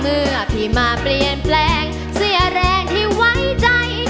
เมื่อพี่มาเปลี่ยนแปลงเสียแรงที่ไว้ใจ